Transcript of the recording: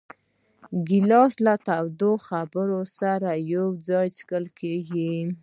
ګیلاس له تودو خبرو سره یو ځای څښل کېږي.